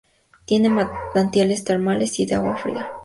Tiene manantiales termales y de agua fría.